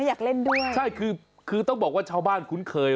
อยากเล่นด้วยใช่คือคือต้องบอกว่าชาวบ้านคุ้นเคย